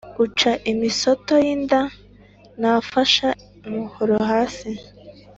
Uca imisoto y’inda ntafasha umuhoro hasi.